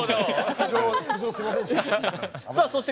苦情、すいませんでした。